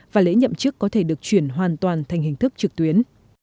và lễ nhậm chức có thể được chuyển hoàn toàn thành hình thức trực tuyến